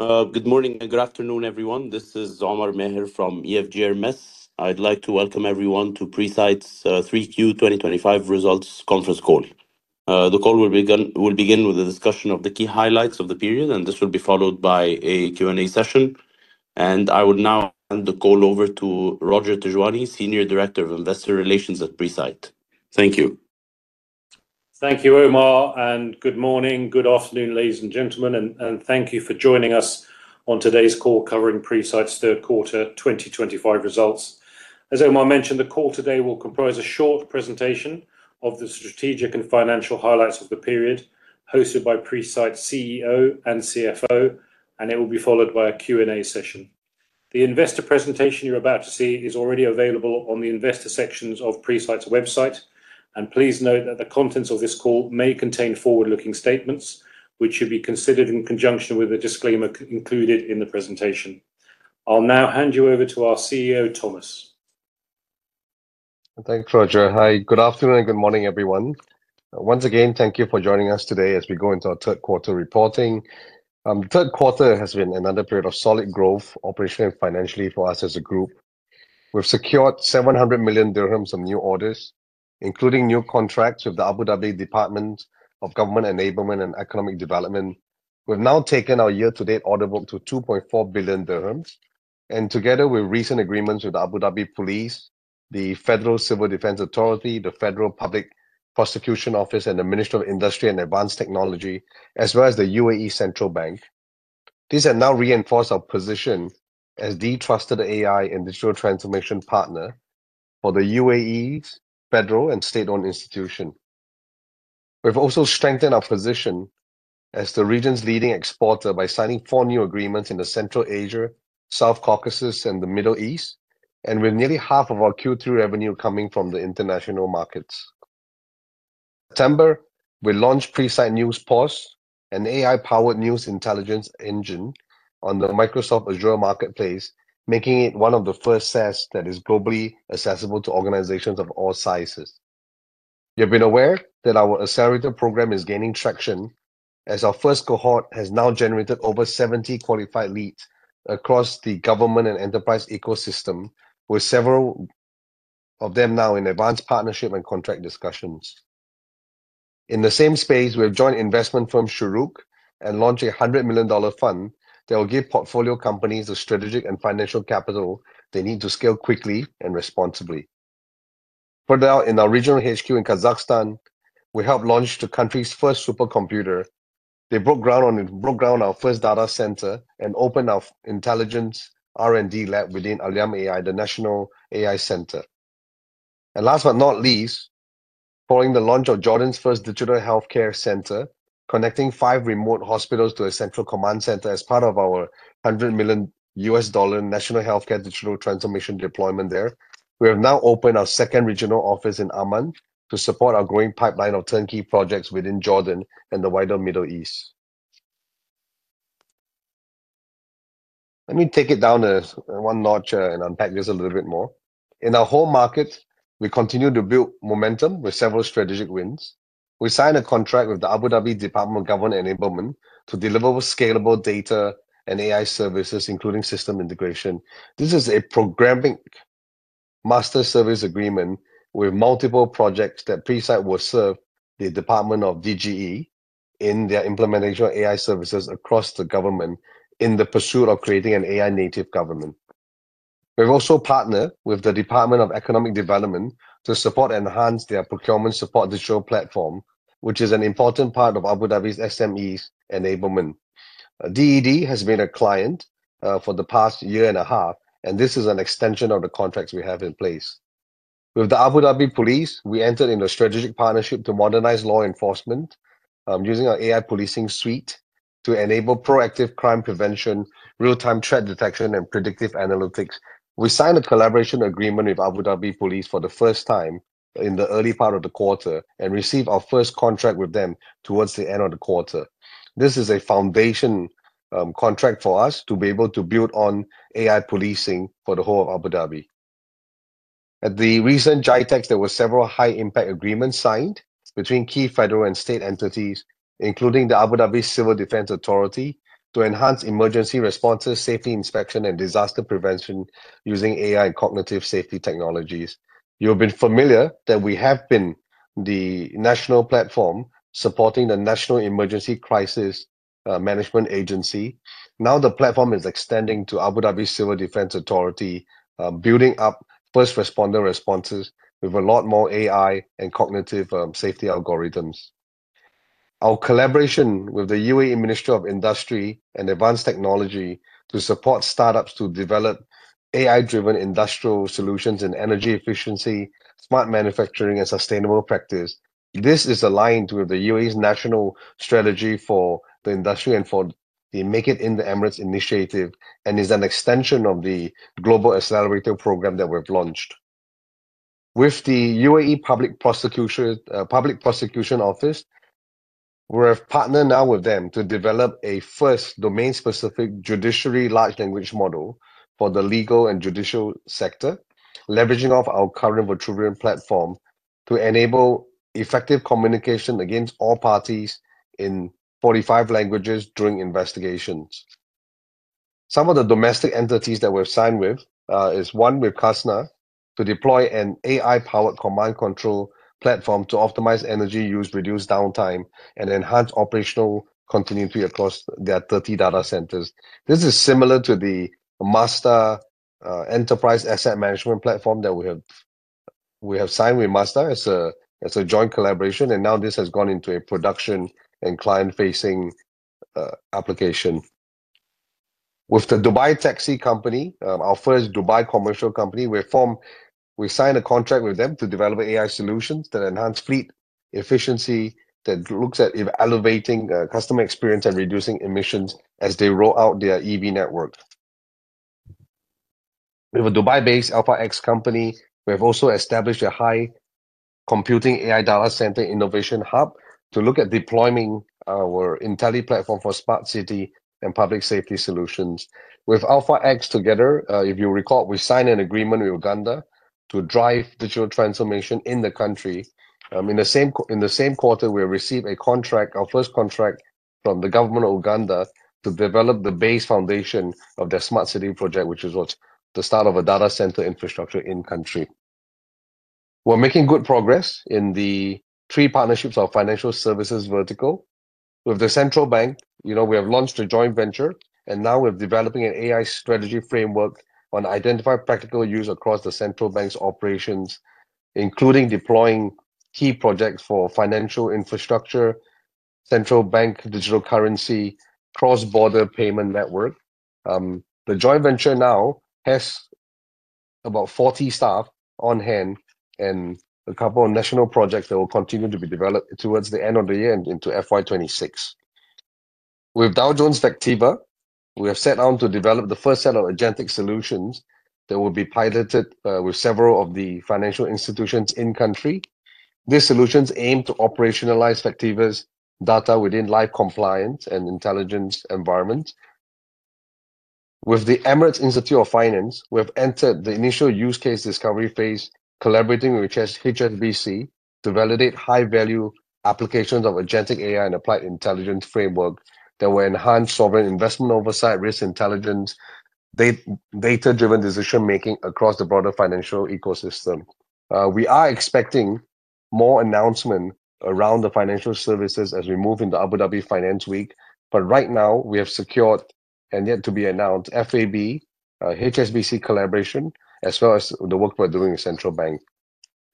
Good morning and good afternoon, everyone. This is Omar Meher from ESG RMS. I'd like to welcome everyone to Presight's 3Q2025 Results Conference call. The call will begin with a discussion of the key highlights of the period, and this will be followed by a Q&A session. I will now hand the call over to Roger Tijuani, Senior Director of Investor Relations at Presight. Thank you. Thank you, Omar. Good morning, good afternoon, ladies and gentlemen, and thank you for joining us on today's call covering Presight's third quarter 2025 results. As Omar mentioned, the call today will comprise a short presentation of the strategic and financial highlights of the period, hosted by Presight's CEO and CFO, and it will be followed by a Q&A session. The investor presentation you're about to see is already available on the investor sections of Presight's website, and please note that the contents of this call may contain forward-looking statements, which should be considered in conjunction with the disclaimer included in the presentation. I'll now hand you over to our CEO, Thomas. Thanks, Roger. Hi, good afternoon and good morning, everyone. Once again, thank you for joining us today as we go into our third quarter reporting. The third quarter has been another period of solid growth operationally and financially for us as a group. We've secured 700 million dirhams of new orders, including new contracts with the Abu Dhabi Department of Government Enablement and Economic Development. We've now taken our year-to-date order book to 2.4 billion dirhams, and together with recent agreements with the Abu Dhabi Police, the Federal Civil Defense Authority, the UAE Public Prosecution Office, and the Ministry of Industry and Advanced Technology, as well as the UAE Central Bank, these have now reinforced our position as the trusted AI and digital transformation partner for the U.A.E.'s federal and state-owned institution. We've also strengthened our position as the region's leading exporter by signing four new agreements in Central Asia, South Caucasus, and the Middle East, and with nearly half of our Q3 revenue coming from the international markets. In September, we launched Presight NewsPass, an AI-powered news intelligence engine on the Microsoft Azure Marketplace, making it one of the first SaaS that is globally accessible to organizations of all sizes. You've been aware that our accelerator program is gaining traction as our first cohort has now generated over 70 qualified leads across the government and enterprise ecosystem, with several of them now in advanced partnership and contract discussions. In the same space, we've joined investment firm Shuruk and launched a AED 100 million fund that will give portfolio companies the strategic and financial capital they need to scale quickly and responsibly. Further out, in our regional HQ in Kazakhstan, we helped launch the country's first supercomputer. They broke ground on our first data center and opened our intelligence R&D lab within Alyam.ai, the National AI Center. Last but not least, following the launch of Jordan’s First Digital Healthcare Center, connecting five remote hospitals to a central command center as part of our $100 million national healthcare digital transformation deployment there, we have now opened our second regional office in Amman to support our growing pipeline of turnkey projects within Jordan and the wider Middle East. Let me take it down one notch and unpack this a little bit more. In our whole market, we continue to build momentum with several strategic wins. We signed a contract with the Abu Dhabi Department of Government Enablement to deliver scalable data and AI services, including system integration. This is a programming master service agreement with multiple projects that Presight will serve the Department of Government Enablement in their implementation of AI services across the government in the pursuit of creating an AI-native government. We've also partnered with the Department of Economic Development to support and enhance their procurement support digital platform, which is an important part of Abu Dhabi's SMEs enablement. DED has been a client for the past year and a half, and this is an extension of the contracts we have in place. With the Abu Dhabi Police, we entered into a strategic partnership to modernize law enforcement using our AI Policing Suite to enable proactive crime prevention, real-time threat detection, and predictive analytics. We signed a collaboration agreement with Abu Dhabi Police for the first time in the early part of the quarter and received our first contract with them towards the end of the quarter. This is a foundation contract for us to be able to build on AI policing for the whole of Abu Dhabi. At the recent GITEX, there were several high-impact agreements signed between key federal and state entities, including the Abu Dhabi Civil Defense Authority, to enhance emergency responses, safety inspection, and disaster prevention using AI and cognitive safety technologies. You've been familiar that we have been the national platform supporting the National Emergency Crisis Management Agency. Now the platform is extending to Abu Dhabi Civil Defense Authority, building up first responder responses with a lot more AI and cognitive safety algorithms. Our collaboration with the UAE Ministry of Industry and Advanced Technology to support startups to develop AI-driven industrial solutions and energy efficiency, smart manufacturing, and sustainable practice. This is aligned with the U.A.E.'s national strategy for the industry and for the Make It in the Emirates initiative and is an extension of the Global Accelerator Program that we've launched. With the UAE Public Prosecution Office, we have partnered now with them to develop a first domain-specific judiciary large language model for the legal and judicial sector, leveraging our current Vitruvian platform to enable effective communication against all parties in 45 languages during investigations. Some of the domestic entities that we've signed with is one with CASNA to deploy an AI-powered command control platform to optimize energy use, reduce downtime, and enhance operational continuity across their 30 data centers. This is similar to the MASTA Enterprise Asset Management platform that we have signed with MASTA as a joint collaboration, and now this has gone into a production and client-facing application. With the Dubai Taxi Company, our first Dubai commercial company, we signed a contract with them to develop AI solutions that enhance fleet efficiency, that looks at elevating customer experience and reducing emissions as they roll out their EV network. With a Dubai-based AlphaX company, we have also established a high-computing AI data center innovation hub to look at deploying our Intelli Platform for smart city and public safety solutions. With AlphaX together, if you recall, we signed an agreement with Uganda to drive digital transformation in the country. In the same quarter, we received our first contract from the government of Uganda to develop the base foundation of their smart city project, which is the start of a data center infrastructure in-country. We're making good progress in the three partnerships of financial services vertical. With the central bank, we have launched a joint venture, and now we're developing an AI strategy framework on identifying practical use across the central bank's operations, including deploying key projects for financial infrastructure, central bank digital currency, and cross-border payment network. The joint venture now has about 40 staff on hand and a couple of national projects that will continue to be developed towards the end of the year and into FY 2026. With Dow Jones Factiva, we have set out to develop the first set of agentic solutions that will be piloted with several of the financial institutions in-country. These solutions aim to operationalize Factiva's data within live compliance and intelligence environments. With the Emirates Institute of Finance, we have entered the initial use case discovery phase, collaborating with HSBC to validate high-value applications of agentic AI and applied intelligence framework that will enhance sovereign investment oversight, risk intelligence, and data-driven decision-making across the broader financial ecosystem. We are expecting more announcements around the financial services as we move into Abu Dhabi Finance Week. Right now, we have secured and yet to be announced FAB HSBC collaboration, as well as the work we're doing with Central Bank.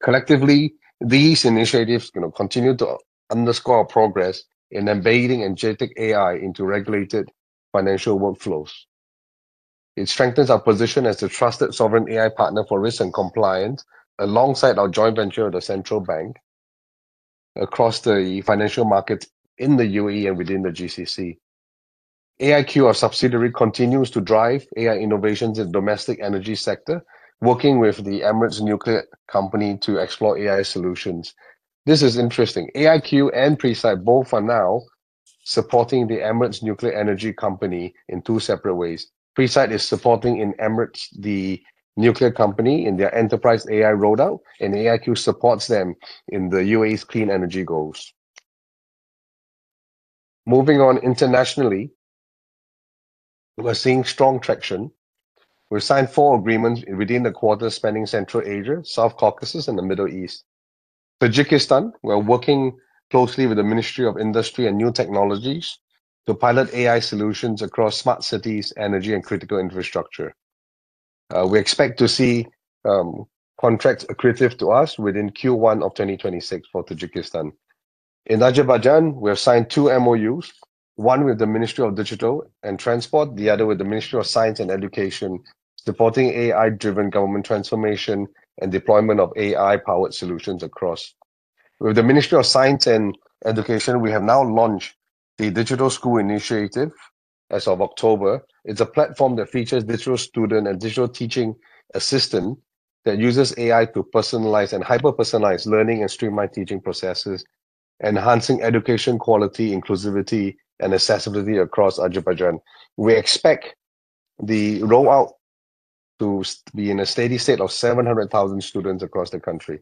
Collectively, these initiatives continue to underscore our progress in embedding agentic AI into regulated financial workflows. It strengthens our position as the trusted sovereign AI partner for risk and compliance alongside our joint venture with the Central Bank across the financial markets in the U.A.E. and within the GCC. AIQ, our subsidiary, continues to drive AI innovations in the domestic energy sector, working with the Emirates Nuclear Energy Company to explore AI solutions. This is interesting. AIQ and Presight both are now supporting the Emirates Nuclear Energy Company in two separate ways. Presight is supporting Emirates Nuclear Energy Company in their enterprise AI rollout, and AIQ supports them in the U.A.E.'s clean energy goals. Moving on internationally, we're seeing strong traction. We've signed four agreements within the quarter spanning Central Asia, South Caucasus, and the Middle East. Tajikistan, we're working closely with the Ministry of Industry and New Technologies to pilot AI solutions across smart cities, energy, and critical infrastructure. We expect to see contracts accretive to us within Q1 of 2026 for Tajikistan. In Azerbaijan, we have signed two MoUs, one with the Ministry of Digital and Transport, the other with the Ministry of Science and Education, supporting AI-driven government transformation and deployment of AI-powered solutions across. With the Ministry of Science and Education, we have now launched the Digital School Initiative as of October. It's a platform that features digital student and digital teaching assistant that uses AI to personalize and hyper-personalize learning and streamline teaching processes, enhancing education quality, inclusivity, and accessibility across Azerbaijan. We expect the rollout to be in a steady state of 700,000 students across the country.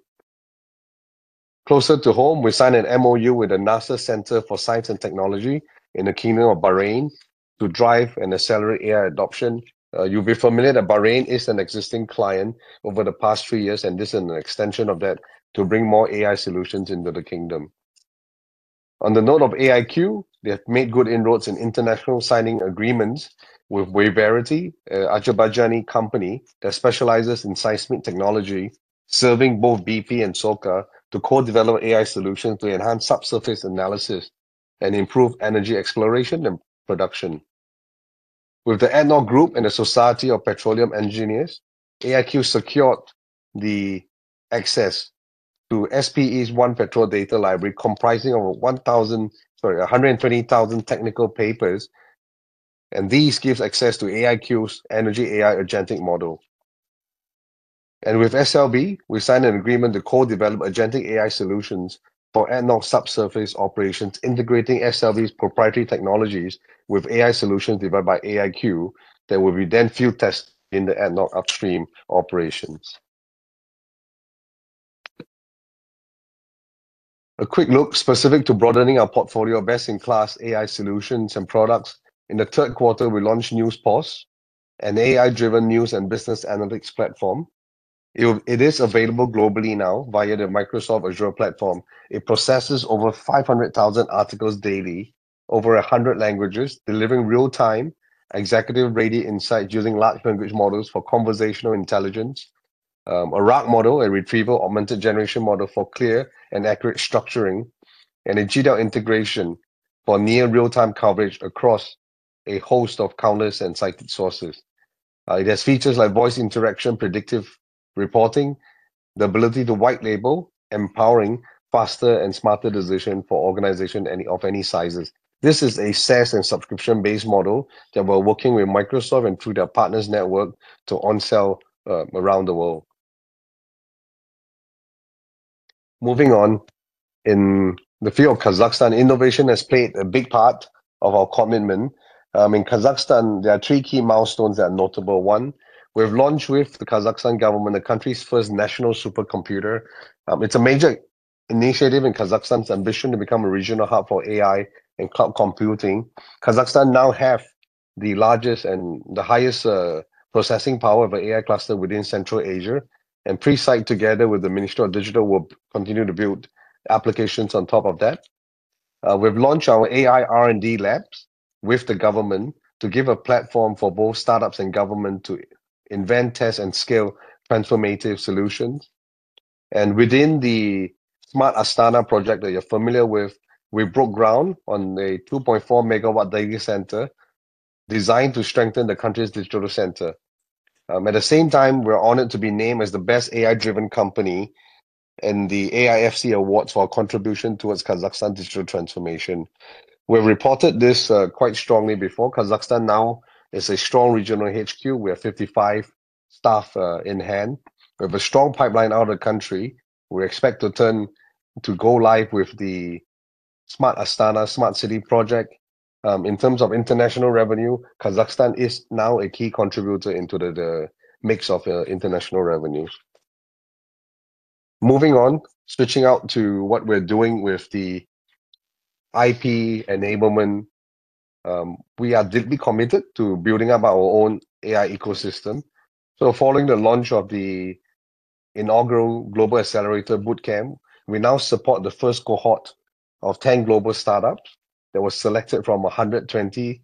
Closer to home, we signed an MoU with the NSSA Center for Science and Technology in the Kingdom of Bahrain to drive and accelerate AI adoption. You'll be familiar that Bahrain is an existing client over the past three years, and this is an extension of that to bring more AI solutions into the kingdom. On the note of AIQ, they have made good inroads in international signing agreements with Waverity, an Azerbaijani company that specializes in seismic technology, serving both BP and SOCAR to co-develop AI solutions to enhance subsurface analysis and improve energy exploration and production. With the ADNOC Group and the Society of Petroleum Engineers, AIQ secured the access to SPE's OnePetrol Data Library, comprising of 120,000 technical papers, and these give access to AIQ's energy AI agentic model. With SLB, we signed an agreement to co-develop agentic AI solutions for ADNOC subsurface operations, integrating SLB's proprietary technologies with AI solutions developed by AIQ that will be then field tested in the ADNOC upstream operations. A quick look specific to broadening our portfolio of best-in-class AI solutions and products. In the third quarter, we launched NewsPass, an AI-driven news and business analytics platform. It is available globally now via the Microsoft Azure platform. It processes over 500,000 articles daily over 100 languages, delivering real-time executive-rated insights using large language models for conversational intelligence, a RAC model, a retrieval augmented generation model for clear and accurate structuring, and a GDAL integration for near real-time coverage across a host of countless and cited sources. It has features like voice interaction, predictive reporting, the ability to white label, empowering faster and smarter decisions for organizations of any sizes. This is a SaaS and subscription-based model that we're working with Microsoft and through their partners' network to onsale around the world. Moving on, in the field of Kazakhstan, innovation has played a big part of our commitment. In Kazakhstan, there are three key milestones that are notable. One, we've launched with the Kazakhstan government the country's first national supercomputer. It's a major initiative in Kazakhstan's ambition to become a regional hub for AI and cloud computing. Kazakhstan now has the largest and the highest processing power of an AI cluster within Central Asia, and Presight, together with the Ministry of Digital, will continue to build applications on top of that. We've launched our AI R&D labs with the government to give a platform for both startups and government to invent, test, and scale transformative solutions. Within the Smart Astana project that you're familiar with, we broke ground on a 2.4-megawatt data center designed to strengthen the country's digital center. At the same time, we're honored to be named as the best AI-driven company in the AIFC Awards for our contribution towards Kazakhstan's digital transformation. We've reported this quite strongly before. Kazakhstan now is a strong regional HQ. We have 55 staff in hand. We have a strong pipeline out of the country. We expect to go live with the Smart Astana Smart City project. In terms of international revenue, Kazakhstan is now a key contributor into the mix of international revenues. Moving on, switching out to what we're doing with the IP enablement, we are deeply committed to building up our own AI ecosystem. Following the launch of the inaugural Global Accelerator Bootcamp, we now support the first cohort of 10 global startups that were selected from 120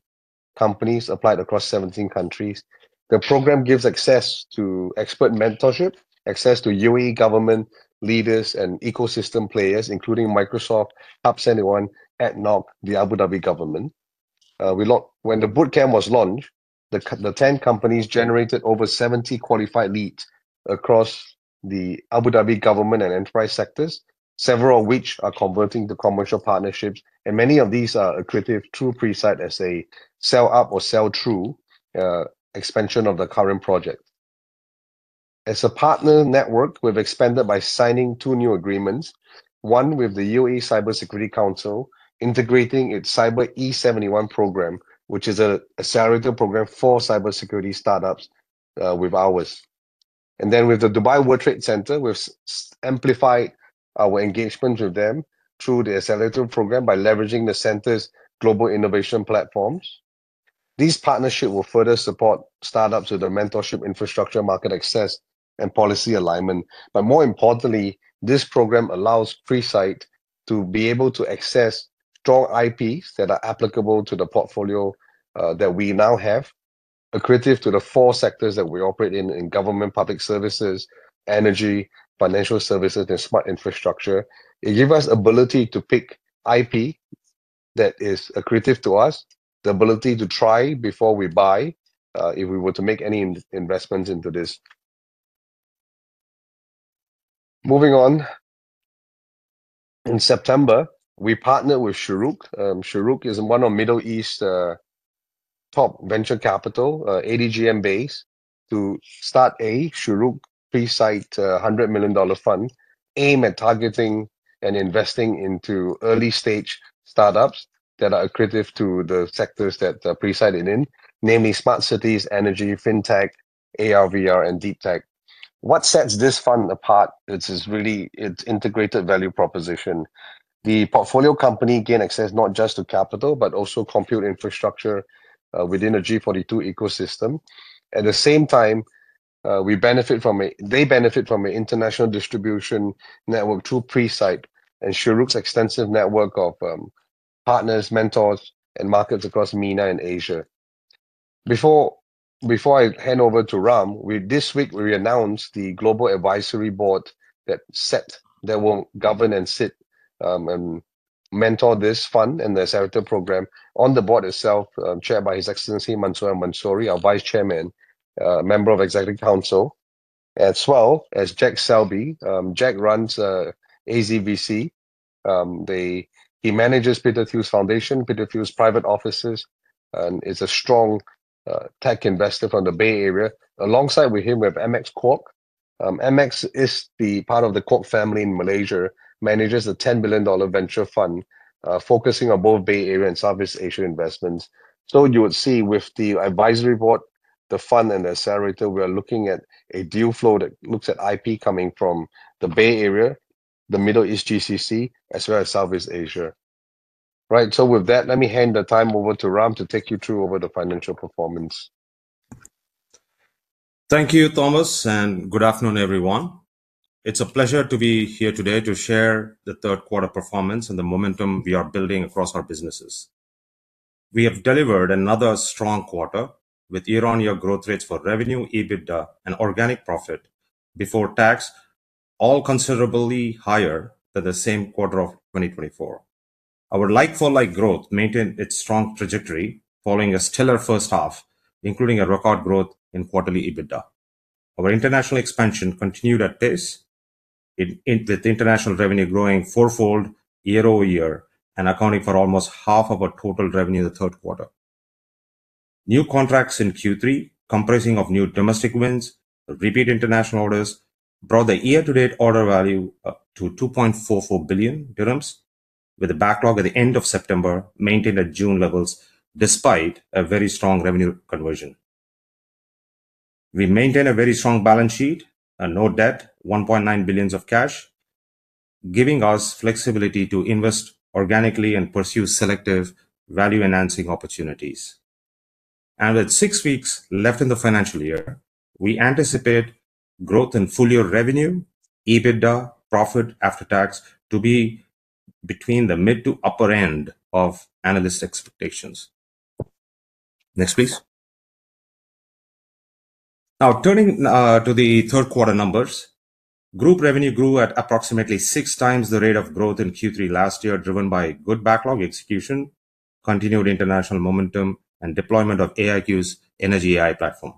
companies applied across 17 countries. The program gives access to expert mentorship, access to U.A.E. government leaders and ecosystem players, including Microsoft, HUB21, ADNOC, the Abu Dhabi government. When the bootcamp was launched, the 10 companies generated over 70 qualified leads across the Abu Dhabi government and enterprise sectors, several of which are converting to commercial partnerships, and many of these are accretive to Presight as they sell up or sell through expansion of the current project. As a partner network, we have expanded by signing two new agreements, one with the UAE Cybersecurity Council, integrating its Cyber E71 program, which is an accelerator program for cybersecurity startups with ours. With the Dubai World Trade Center, we have amplified our engagement with them through the accelerator program by leveraging the center's global innovation platforms. These partnerships will further support startups with their mentorship, infrastructure, market access, and policy alignment. More importantly, this program allows Presight to be able to access strong IPs that are applicable to the portfolio that we now have, accretive to the four sectors that we operate in: government, public services, energy, financial services, and smart infrastructure. It gives us the ability to pick IP that is accretive to us, the ability to try before we buy if we were to make any investments into this. Moving on, in September, we partnered with Shuruk. Shuruk is one of the Middle East's top venture capital, ADGM-based, to start a Shuruk Presight $100 million fund aimed at targeting and investing into early-stage startups that are accretive to the sectors that Presight is in, namely smart cities, energy, fintech, AR/VR, and deep tech. What sets this fund apart is really its integrated value proposition. The portfolio company gains access not just to capital, but also compute infrastructure within the G42 ecosystem. At the same time, they benefit from an international distribution network through Presight and Shuruk's extensive network of partners, mentors, and markets across MENA and Asia. Before I hand over to Ram, this week, we announced the Global Advisory Board that will govern and sit and mentor this fund and the accelerator program on the board itself, chaired by His Excellency Mansoor Al-Mansouri, our Vice Chairman, Member of Executive Council, as well as Jack Selby. Jack runs AZVC. He manages Peter Thiel's foundation, Peter Thiel's private offices, and is a strong tech investor from the Bay Area. Alongside with him, we have MX Corp. MX is part of the Corp family in Malaysia, manages a $10 billion venture fund focusing on both Bay Area and Southeast Asia investments. You would see with the Advisory Board, the fund and the accelerator, we are looking at a deal flow that looks at IP coming from the Bay Area, the Middle East GCC, as well as Southeast Asia. Right, with that, let me hand the time over to Ram to take you through the financial performance. Thank you, Thomas, and good afternoon, everyone. It's a pleasure to be here today to share the third quarter performance and the momentum we are building across our businesses. We have delivered another strong quarter with year-on-year growth rates for revenue, EBITDA, and organic profit before tax all considerably higher than the same quarter of 2024. Our like-for-like growth maintained its strong trajectory following a stellar first half, including a record growth in quarterly EBITDA. Our international expansion continued at pace, with international revenue growing four-fold year-over-year and accounting for almost half of our total revenue in the third quarter. New contracts in Q3, comprising of new domestic wins, repeat international orders, brought the year-to-date order value to 2.44 billion dirhams, with a backlog at the end of September maintained at June levels despite a very strong revenue conversion. We maintain a very strong balance sheet and no debt, 1.9 billion of cash, giving us flexibility to invest organically and pursue selective value-enhancing opportunities. With six weeks left in the financial year, we anticipate growth in full-year revenue, EBITDA, profit after tax to be between the mid- to upper end of analyst expectations. Next, please. Now, turning to the third quarter numbers, group revenue grew at approximately 6x the rate of growth in Q3 last year, driven by good backlog execution, continued international momentum, and deployment of AIQ's energy AI platform.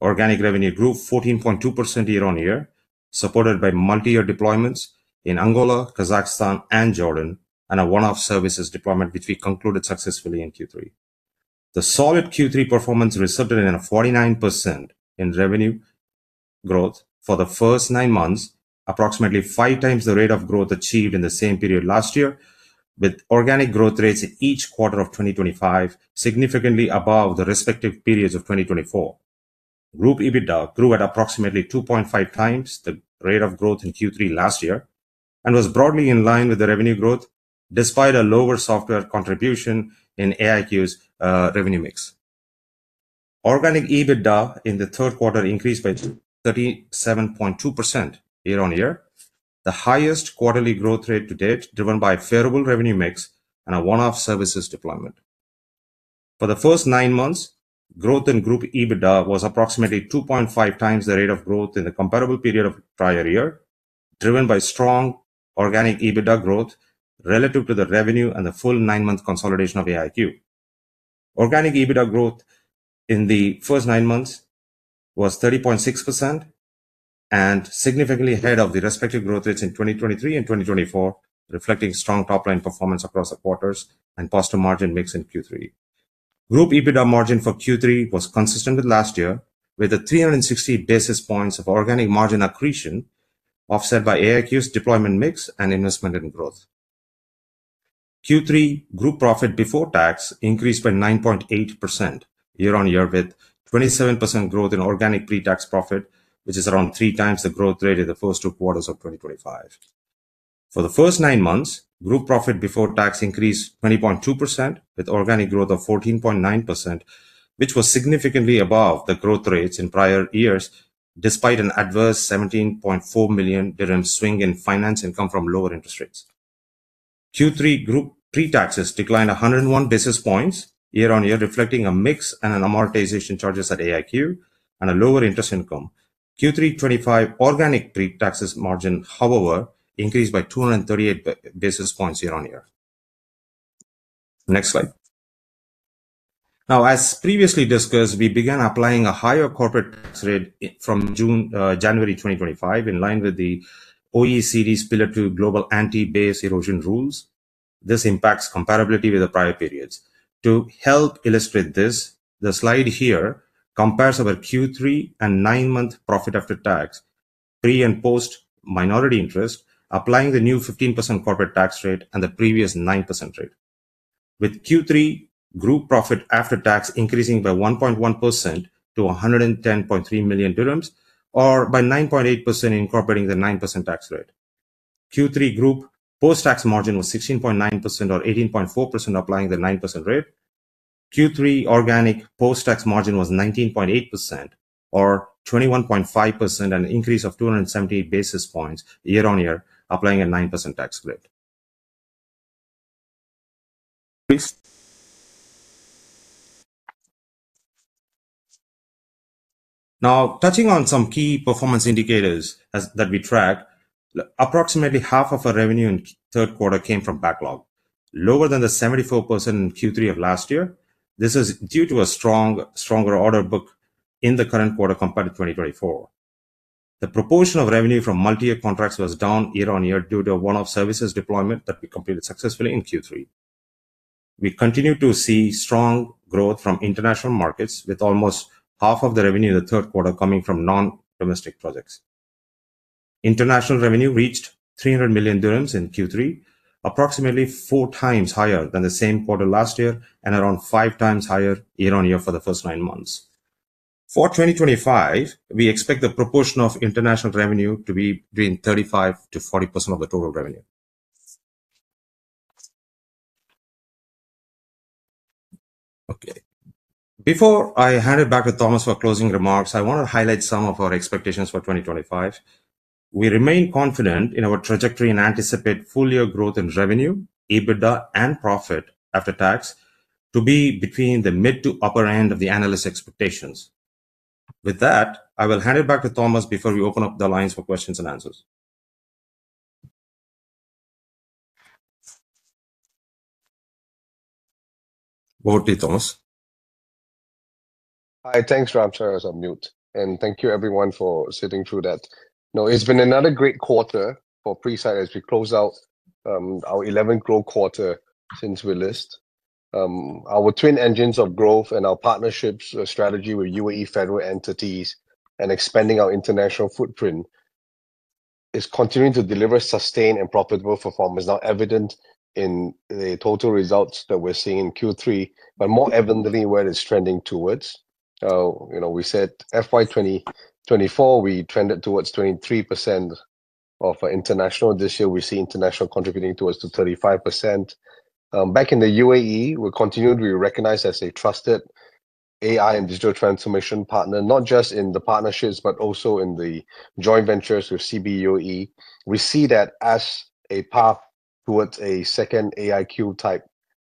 Organic revenue grew 14.2% year-on-year, supported by multi-year deployments in Angola, Kazakhstan, and Jordan, and a one-off services deployment, which we concluded successfully in Q3. The solid Q3 performance resulted in a 49% revenue growth for the first nine months, approximately 5x the rate of growth achieved in the same period last year, with organic growth rates in each quarter of 2025 significantly above the respective periods of 2024. Group EBITDA grew at approximately 2.5x the rate of growth in Q3 last year and was broadly in line with the revenue growth, despite a lower software contribution in AIQ's revenue mix. Organic EBITDA in the third quarter increased by 37.2% year-on-year, the highest quarterly growth rate to date, driven by a favorable revenue mix and a one-off services deployment. For the first nine months, growth in group EBITDA was approximately 2.5x the rate of growth in the comparable period of the prior year, driven by strong organic EBITDA growth relative to the revenue and the full nine-month consolidation of AIQ. Organic EBITDA growth in the first nine months was 30.6% and significantly ahead of the respective growth rates in 2023 and 2024, reflecting strong top-line performance across the quarters and positive margin mix in Q3. Group EBITDA margin for Q3 was consistent with last year, with a 360 basis points of organic margin accretion offset by AIQ's deployment mix and investment in growth. Q3 group profit before tax increased by 9.8% year-on-year, with 27% growth in organic pre-tax profit, which is around 3x the growth rate in the first two quarters of 2025. For the first nine months, group profit before tax increased 20.2%, with organic growth of 14.9%, which was significantly above the growth rates in prior years, despite an adverse 17.4 million dirham swing in finance income from lower interest rates. Q3 group pre-taxes declined 101 basis points year-on-year, reflecting a mix and an amortization charges at AIQ and a lower interest income. Q3 2025 organic pre-taxes margin, however, increased by 238 basis points year-on-year. Next slide. Now, as previously discussed, we began applying a higher corporate tax rate from January 2025, in line with the OECD's pillar two global anti-base erosion rules. This impacts comparability with the prior periods. To help illustrate this, the slide here compares our Q3 and nine-month profit after tax, pre and post minority interest, applying the new 15% corporate tax rate and the previous 9% rate, with Q3 group profit after tax increasing by 1.1% to 110.3 million dirhams, or by 9.8% incorporating the 9% tax rate. Q3 group post-tax margin was 16.9% or 18.4%, applying the 9% rate. Q3 organic post-tax margin was 19.8% or 21.5%, an increase of 278 basis points year-on-year, applying a 9% tax rate. Now, touching on some key performance indicators that we tracked, approximately half of our revenue in the third quarter came from backlog, lower than the 74% in Q3 of last year. This is due to a stronger order book in the current quarter compared to 2024. The proportion of revenue from multi-year contracts was down year-on-year due to one-off services deployment that we completed successfully in Q3. We continued to see strong growth from international markets, with almost half of the revenue in the third quarter coming from non-domestic projects. International revenue reached 300 million dirhams in Q3, approximately 4x higher than the same quarter last year and around 5x higher year-on-year for the first nine months. For 2025, we expect the proportion of international revenue to be between 35%-40% of the total revenue. Okay, before I hand it back to Thomas for closing remarks, I want to highlight some of our expectations for 2025. We remain confident in our trajectory and anticipate full-year growth in revenue, EBITDA, and profit after tax to be between the mid to upper end of the analyst expectations. With that, I will hand it back to Thomas before we open up the lines for questions and answers. Over to you, Thomas. Hi, thanks, Ram. Sorry, I was on mute. Thank you, everyone, for sitting through that. No, it's been another great quarter for Presight as we close out our 11th growth quarter since we list. Our twin engines of growth and our partnerships, our strategy with U.A.E. federal entities and expanding our international footprint is continuing to deliver sustained and profitable performance, now evident in the total results that we're seeing in Q3, but more evidently where it's trending towards. We said FY 2024, we trended towards 23% of international. This year, we see international contributing towards 35%. Back in the U.A.E., we continued, we recognize as a trusted AI and digital transformation partner, not just in the partnerships, but also in the joint ventures with CBOE. We see that as a path towards a second AIQ type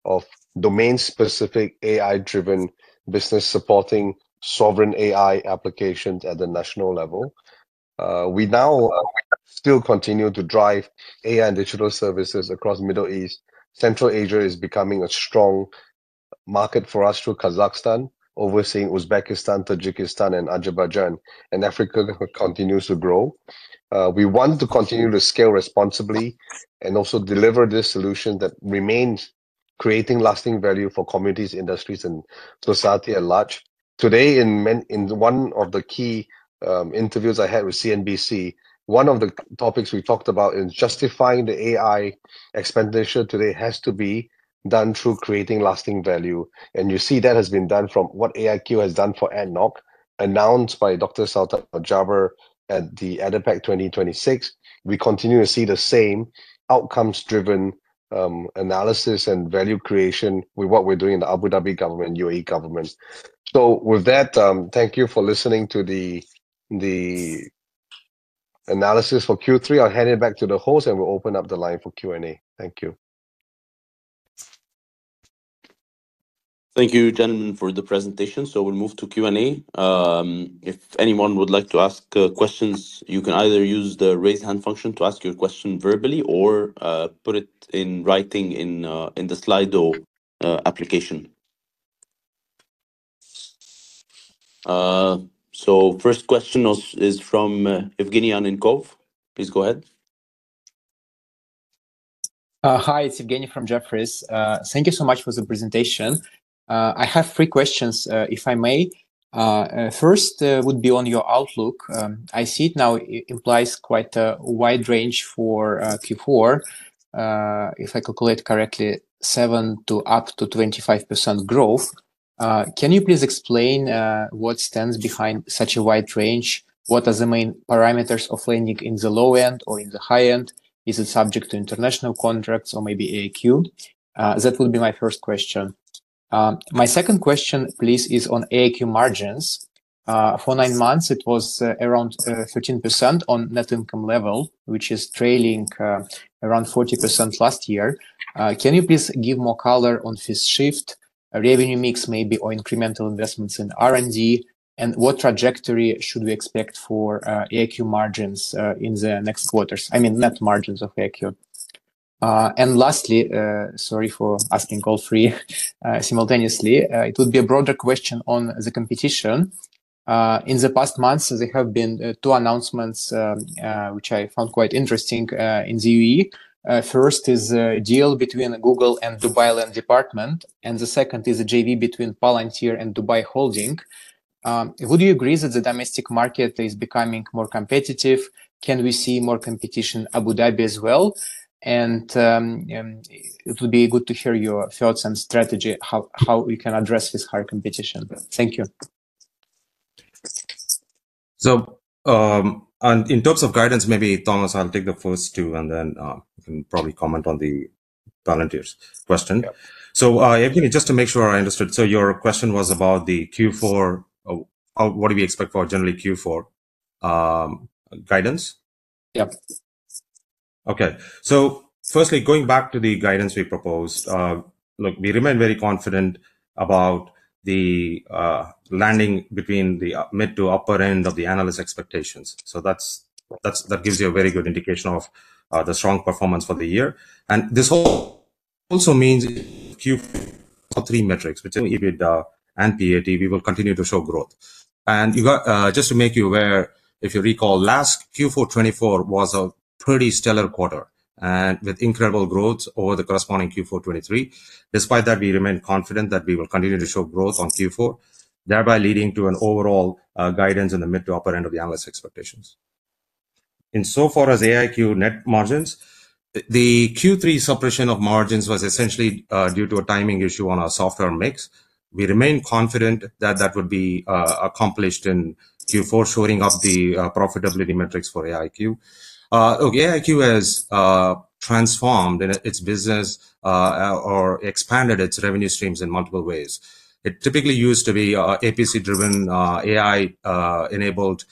of domain-specific AI-driven business supporting sovereign AI applications at the national level. We now still continue to drive AI and digital services across the Middle East. Central Asia is becoming a strong market for us through Kazakhstan, overseeing Uzbekistan, Tajikistan, and Azerbaijan, and Africa continues to grow. We want to continue to scale responsibly and also deliver this solution that remains creating lasting value for communities, industries, and society at large. Today, in one of the key interviews I had with CNBC, one of the topics we talked about in justifying the AI expenditure today has to be done through creating lasting value. You see that has been done from what AIQ has done for ADNOC, announced by Dr. Salthar Jabbar at the ADAPAC 2026. We continue to see the same outcomes-driven analysis and value creation with what we're doing in the Abu Dhabi government, U.A.E. government. With that, thank you for listening to the analysis for Q3. I'll hand it back to the host, and we'll open up the line for Q&A. Thank you. Thank you, gentlemen, for the presentation. We'll move to Q&A. If anyone would like to ask questions, you can either use the raise hand function to ask your question verbally or put it in writing in the Slido application. The first question is from Evgeny Anenkov. Please go ahead. Hi, it's Evgeny from Jefferies. Thank you so much for the presentation. I have three questions, if I may. First would be on your outlook. I see it now implies quite a wide range for Q4, if I calculate correctly, 7%-25% growth. Can you please explain what stands behind such a wide range? What are the main parameters of landing in the low end or in the high end? Is it subject to international contracts or maybe AIQ? That would be my first question. My second question, please, is on AIQ margins. For nine months, it was around 13% on net income level, which is trailing around 40% last year. Can you please give more color on this shift, revenue mix maybe, or incremental investments in R&D? What trajectory should we expect for AIQ margins in the next quarters? I mean, net margins of AIQ. Lastly, sorry for asking all three simultaneously, it would be a broader question on the competition. In the past months, there have been two announcements, which I found quite interesting in the U.A.E. First is a deal between Google and Dubai Land Department, and the second is a JV between Palantir and Dubai Holding. Would you agree that the domestic market is becoming more competitive? Can we see more competition in Abu Dhabi as well? It would be good to hear your thoughts and strategy, how we can address this higher competition. Thank you. In terms of guidance, maybe Thomas, I'll take the first two, and then you can probably comment on the Palantir's question. Evgeny, just to make sure I understood, your question was about the Q4, what do we expect for generally Q4 guidance? Yeah. Firstly, going back to the guidance we proposed, look, we remain very confident about the landing between the mid to upper end of the analyst expectations. That gives you a very good indication of the strong performance for the year. This also means Q4 three metrics, which are EBITDA and PAT, we will continue to show growth. Just to make you aware, if you recall, last Q4 2024 was a pretty stellar quarter with incredible growth over the corresponding Q4 2023. Despite that, we remain confident that we will continue to show growth on Q4, thereby leading to an overall guidance in the mid to upper end of the analyst expectations. In so far as AIQ net margins, the Q3 suppression of margins was essentially due to a timing issue on our software mix. We remain confident that that would be accomplished in Q4, showing up the profitability metrics for AIQ. Look, AIQ has transformed its business or expanded its revenue streams in multiple ways. It typically used to be APC-driven, AI-enabled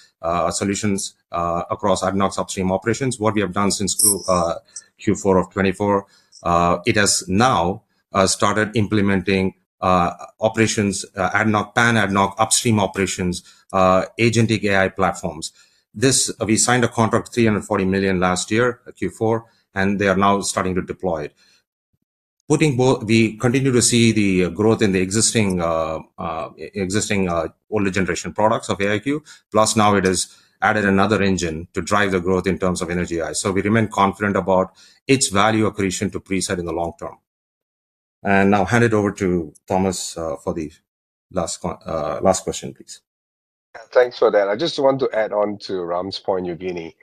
solutions across ADNOC's upstream operations. What we have done since Q4 of 2024, it has now started implementing ADNOC pan-ADNOC upstream operations, agentic AI platforms. We signed a contract, 340 million last year Q4, and they are now starting to deploy it. We continue to see the growth in the existing older generation products of AIQ, plus now it has added another engine to drive the growth in terms of energy eyes. We remain confident about its value accretion to Presight in the long term. I now hand it over to Thomas for the last question, please. Thanks for that. I just want to add on to Ram's point, Evgeny.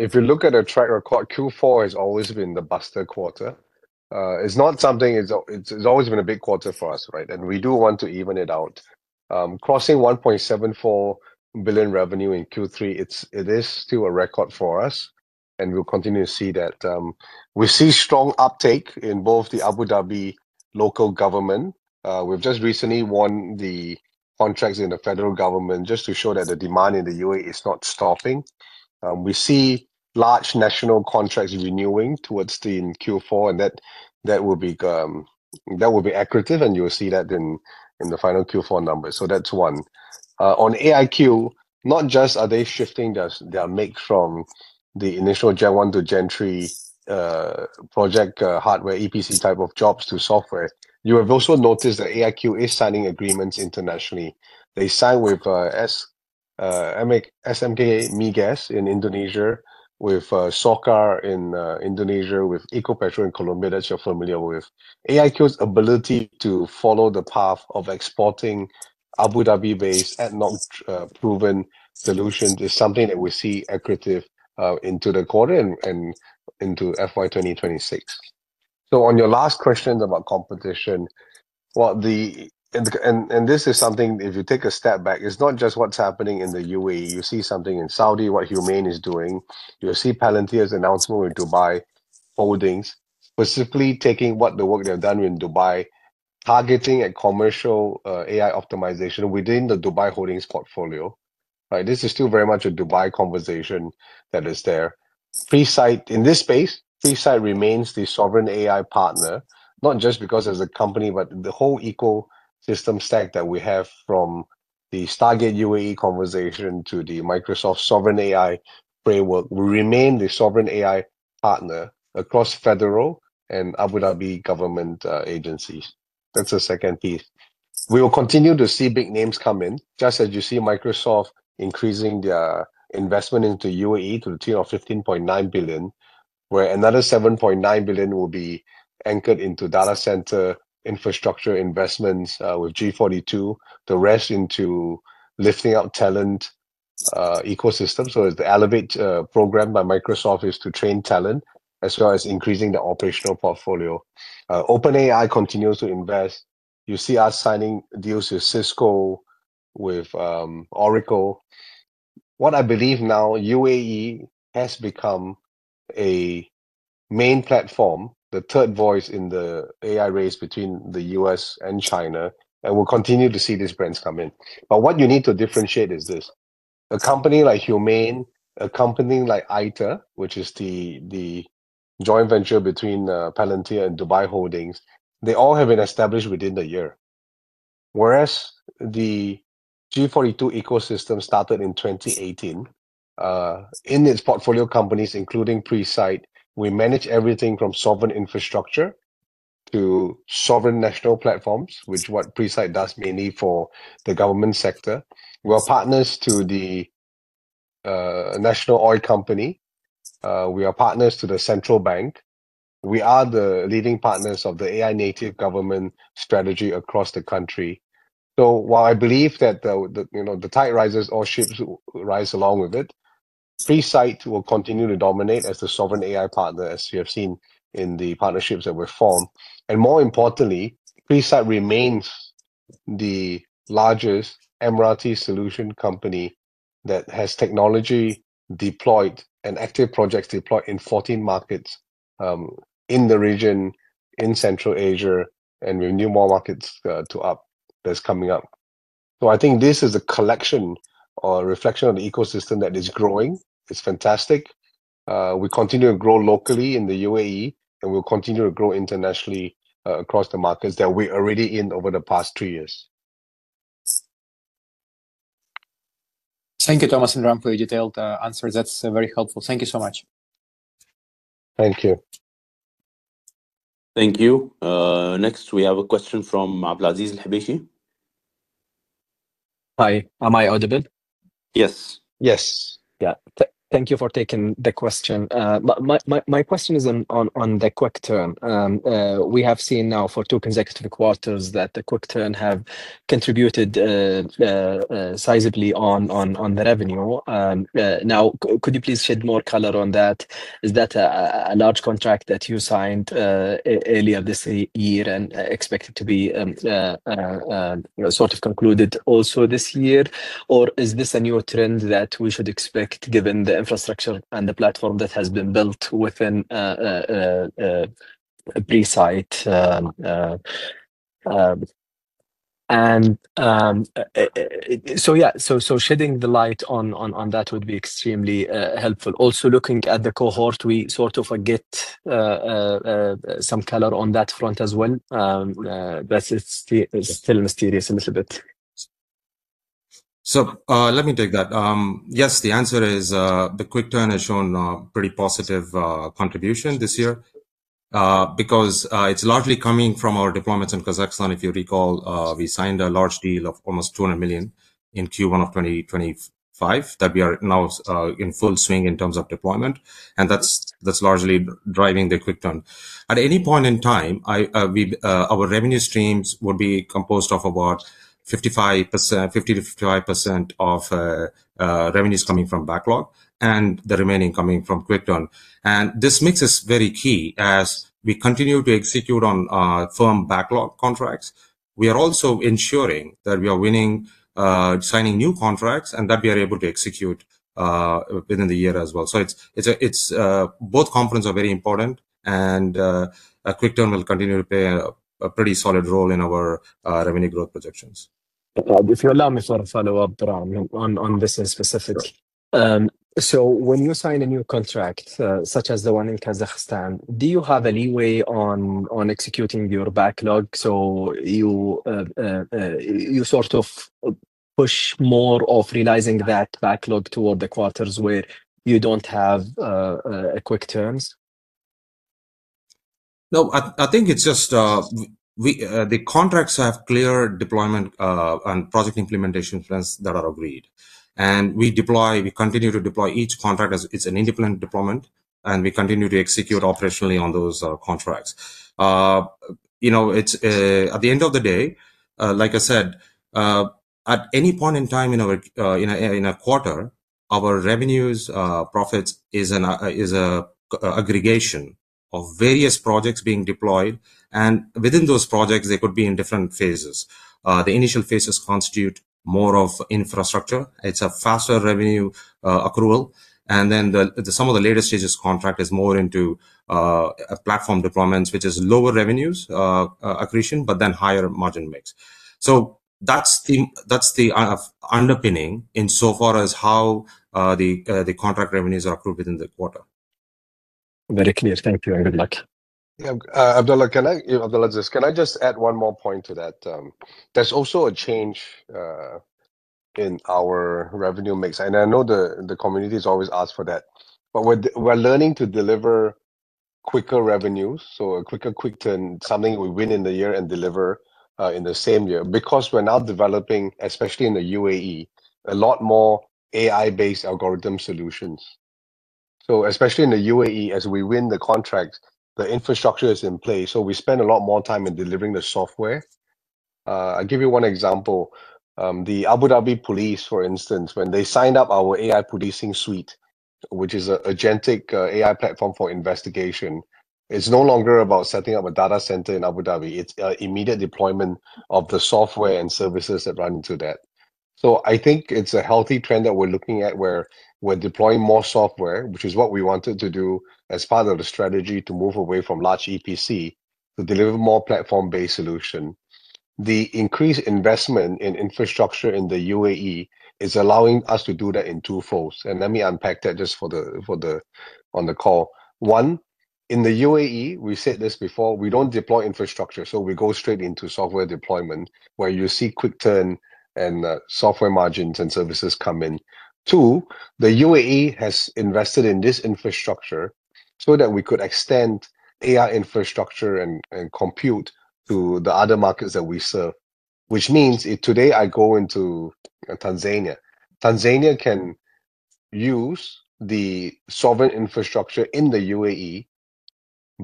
If you look at a track record, Q4 has always been the buster quarter. It's not something; it's always been a big quarter for us, right? We do want to even it out. Crossing 1.74 billion revenue in Q3, it is still a record for us, and we'll continue to see that. We see strong uptake in both the Abu Dhabi local government. We've just recently won the contracts in the federal government just to show that the demand in the U.A.E. is not stopping. We see large national contracts renewing towards Q4, and that will be accretive, and you'll see that in the final Q4 numbers. That's one. On AIQ, not just are they shifting their mix from the initial Gen 1 to Gen 3 project hardware, EPC type of jobs to software. You have also noticed that AIQ is signing agreements internationally. They sign with SKK Migas in Indonesia, with SOCAR in Azerbaijan, with Ecopetrol in Colombia. That's you're familiar with. AIQ's ability to follow the path of exporting Abu Dhabi-based ADNOC-proven solutions is something that we see accurative into the quarter and into FY 2026. On your last questions about competition, and this is something, if you take a step back, it's not just what's happening in the U.A.E.. You see something in Saudi, what Humane is doing. You'll see Palantir's announcement with Dubai Holding, specifically taking what the work they've done in Dubai, targeting a commercial AI optimization within the Dubai Holding portfolio. This is still very much a Dubai conversation that is there. Presight, in this space, Presight remains the sovereign AI partner, not just because as a company, but the whole ecosystem stack that we have from the Stargate UAE conversation to the Microsoft sovereign AI framework. We remain the sovereign AI partner across federal and Abu Dhabi government agencies. That's the second piece. We will continue to see big names come in, just as you see Microsoft increasing their investment into U.A.E. to the tune of 15.9 billion, where another 7.9 billion will be anchored into data center infrastructure investments with G42, the rest into lifting up talent ecosystems. The Elevate program by Microsoft is to train talent, as well as increasing the operational portfolio. OpenAI continues to invest. You see us signing deals with Cisco, with Oracle. What I believe now, U.A.E. has become a main platform, the third voice in the AI race between the U.S. and China, and we will continue to see these brands come in. What you need to differentiate is this: a company like Humane, a company like ITER, which is the joint venture between Palantir and Dubai Holding, they all have been established within the year. Whereas the G42 ecosystem started in 2018, in its portfolio companies, including Presight, we manage everything from sovereign infrastructure to sovereign national platforms, which what Presight does mainly for the government sector. We are partners to the National Oil Company. We are partners to the Central Bank. We are the leading partners of the AI-native government strategy across the country. While I believe that the tide rises, all ships rise along with it, Presight will continue to dominate as the sovereign AI partner, as you have seen in the partnerships that were formed. More importantly, Presight remains the largest MRT solution company that has technology deployed and active projects deployed in 14 markets in the region, in Central Asia, and we have new markets to up that's coming up. I think this is a collection or reflection of the ecosystem that is growing. It's fantastic. We continue to grow locally in the U.A.E., and we'll continue to grow internationally across the markets that we're already in over the past three years. Thank you, Thomas and Ram, for your detailed answers. That's very helpful. Thank you so much. Thank you. Thank you. Next, we have a question from Abdulaziz Al-Hebeshi. Hi, am I audible? Yes. Yes. Yeah. Thank you for taking the question. My question is on the quick turn. We have seen now for two consecutive quarters that the quick turn have contributed sizably on the revenue. Now, could you please shed more color on that? Is that a large contract that you signed earlier this year and expected to be sort of concluded also this year? Or is this a new trend that we should expect given the infrastructure and the platform that has been built within Presight? Yeah, shedding the light on that would be extremely helpful. Also, looking at the cohort, we sort of get some color on that front as well. That's still mysterious a little bit. Let me take that. Yes, the answer is the quick turn has shown a pretty positive contribution this year because it's largely coming from our deployments in Kazakhstan. If you recall, we signed a large deal of almost $200 million in Q1 of 2025 that we are now in full swing in terms of deployment. That's largely driving the quick turn. At any point in time, our revenue streams would be composed of about 50-55% of revenues coming from backlog and the remaining coming from quick turn. This mix is very key as we continue to execute on firm backlog contracts. We are also ensuring that we are signing new contracts and that we are able to execute within the year as well. Both components are very important, and a quick turn will continue to play a pretty solid role in our revenue growth projections. If you allow me to follow up, Ram, on this specific. When you sign a new contract, such as the one in Kazakhstan, do you have a leeway on executing your backlog? You sort of push more of realizing that backlog toward the quarters where you do not have quick turns? No, I think it is just the contracts have clear deployment and project implementation plans that are agreed. We continue to deploy each contract as it is an independent deployment, and we continue to execute operationally on those contracts. At the end of the day, like I said, at any point in time in a quarter, our revenues, profits is an aggregation of various projects being deployed. Within those projects, they could be in different phases. The initial phases constitute more of infrastructure. It is a faster revenue accrual. Some of the later stages contract is more into platform deployments, which is lower revenues accretion, but then higher margin mix. That is the underpinning in so far as how the contract revenues are accrued within the quarter. Very clear. Thank you and good luck. Abdulaziz, can I just add one more point to that? There is also a change in our revenue mix. I know the community has always asked for that. We are learning to deliver quicker revenues, so a quicker quick turn, something we win in the year and deliver in the same year. Because we're now developing, especially in the U.A.E., a lot more AI-based algorithm solutions. Especially in the U.A.E., as we win the contracts, the infrastructure is in place. We spend a lot more time in delivering the software. I'll give you one example. The Abu Dhabi Police, for instance, when they signed up our AI Policing Suite, which is an agentic AI platform for investigation, it's no longer about setting up a data center in Abu Dhabi. It's immediate deployment of the software and services that run into that. I think it's a healthy trend that we're looking at where we're deploying more software, which is what we wanted to do as part of the strategy to move away from large EPC to deliver more platform-based solutions. The increased investment in infrastructure in the U.A.E. is allowing us to do that in two folds. Let me unpack that just for the on the call. One, in the U.A.E., we said this before, we don't deploy infrastructure, so we go straight into software deployment where you see quick turn and software margins and services come in. Two, the U.A.E.has invested in this infrastructure so that we could extend AI infrastructure and compute to the other markets that we serve, which means if today I go into Tanzania, Tanzania can use the sovereign infrastructure in the U.A.E.